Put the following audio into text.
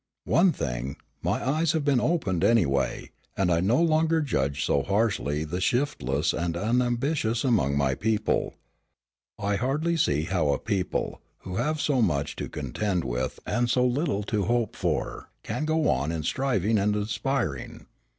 One thing, my eyes have been opened anyway, and I no longer judge so harshly the shiftless and unambitious among my people. I hardly see how a people, who have so much to contend with and so little to hope for, can go on striving and aspiring.